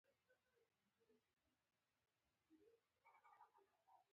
احمد د تېلو بیلر سوری کړ، تېلو بژوهل ټول تویې شول.